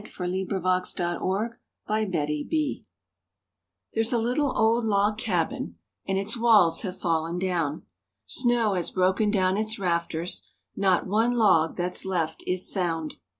*THE PLACE WHERE I WAS BORN* There's a little old log cabin, And its walls have fallen down, Snow has broken down its rafters, Not one log that's left is sound.